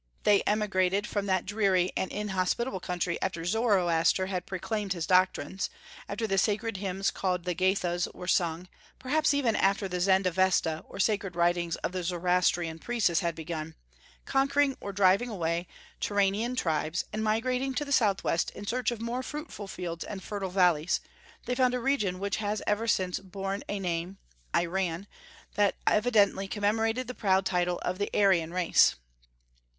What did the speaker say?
They emigrated from that dreary and inhospitable country after Zoroaster had proclaimed his doctrines, after the sacred hymns called the Gathas were sung, perhaps even after the Zend Avesta or sacred writings of the Zoroastrian priests had been begun, conquering or driving away Turanian tribes, and migrating to the southwest in search of more fruitful fields and fertile valleys, they found a region which has ever since borne a name Iran that evidently commemorated the proud title of the Aryan race.